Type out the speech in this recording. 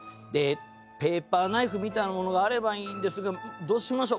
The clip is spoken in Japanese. ペーパーナイフみたいなものがあればいいんですがどうしましょう？